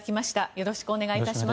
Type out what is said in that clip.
よろしくお願いします。